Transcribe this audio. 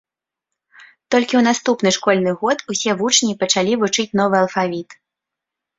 Толькі ў наступны школьны год усе вучні пачалі вучыць новы алфавіт.